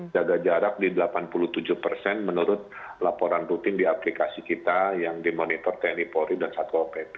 jaga jarak di delapan puluh tujuh persen menurut laporan rutin di aplikasi kita yang dimonitor tni polri dan satpol pp